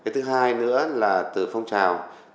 thứ hai nữa là từ phong trào